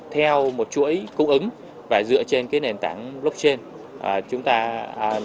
theo một chuỗi cung ứng và dựa trên nền tảng blockchain